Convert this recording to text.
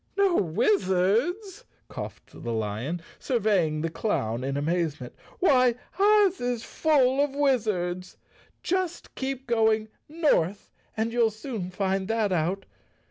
"No wizards?" coughed the lion, surveying the clown in amazement.^ 4 Why, Oz is full of wizards. Just keep going north and you'll soon find that out.